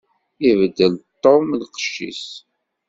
Ibeddel Tom lqecc-is.